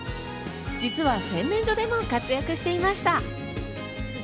実は洗面所でも活躍していました。